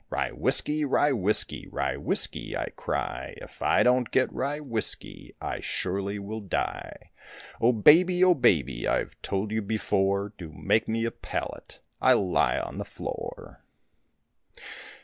Rye whiskey, rye whiskey, Rye whiskey I cry, If I don't get rye whiskey, I surely will die. O Baby, O Baby, I've told you before, Do make me a pallet, I'll lie on the floor.